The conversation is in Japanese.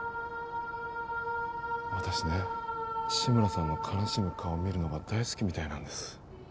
私ね志村さんの悲しむ顔を見るのが大好きみたいなんです